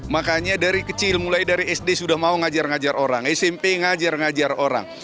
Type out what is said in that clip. makanya dari kecil mulai dari sd sudah mau ngajar ngajar orang smp ngajar ngajar orang